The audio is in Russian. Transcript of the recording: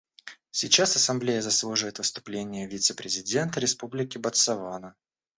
Сейчас Ассамблея заслушает выступление вице-президента Республики Ботсвана.